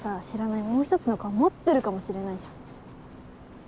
知らないもう一つの顔持ってるかもしれないじゃん！